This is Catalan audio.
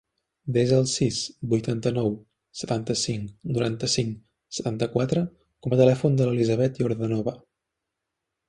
Desa el sis, vuitanta-nou, setanta-cinc, noranta-cinc, setanta-quatre com a telèfon de l'Elisabeth Yordanova.